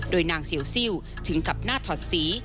โดยนางเสียวซิลถึงกับหน้าถอดสี